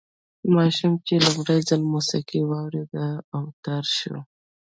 ماشوم چې لومړی ځل موسیقي واورېده اوتر شو